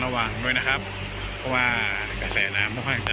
ระวังด้วยนะครับเพราะว่าแสนน้ำพวกมันจะ